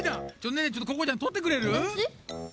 ねえここちゃんとってくれる？